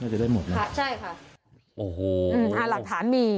น่าจะได้หมดน่าจะได้หมดค่ะใช่ค่ะโอ้โหอ่าหลักฐานมี